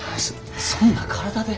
そんな体で。